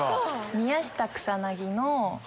宮下草薙の。